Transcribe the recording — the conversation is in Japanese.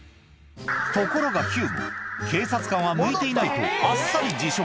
ところがヒューも、警察官は向いていないとあっさり辞職。